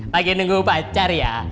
lagi nunggu pacar ya